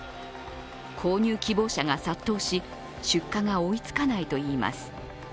購入希望者が殺到し出荷が追いつかないといいます。